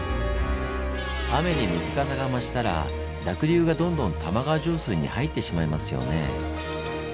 雨で水かさが増したら濁流がどんどん玉川上水に入ってしまいますよね。